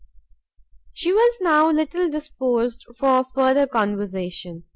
She was now little disposed for further conversation.